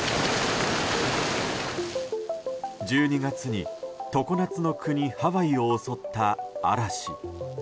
１２月に常夏の国ハワイを襲った嵐。